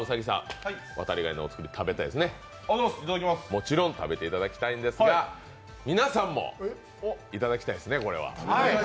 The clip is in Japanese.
もちろん食べていただきたいんですが、皆さんも食べたいですね。